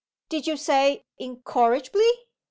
"Did you say 'incorrigibly?